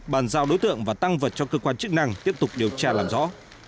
bàn giao đối tượng và tăng vật cho cơ quan chức năng tiếp tục điều tra làm rõ